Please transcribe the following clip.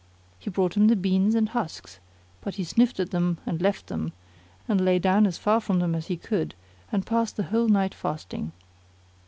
He brought him the beans and husks, but he sniffed at them and left them and lay down as far from them as he could and passed the whole night fasting.